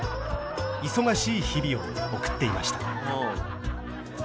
忙しい日々を送っていました